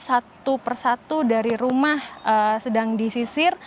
satu persatu dari rumah sedang disisir